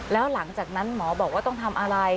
แล้วหลังจากนั้นหมอบอกว่าต้องทำอะไร